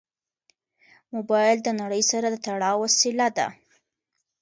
موبایل د نړۍ سره د تړاو وسیله ده.